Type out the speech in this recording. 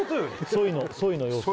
ソイのソイの予想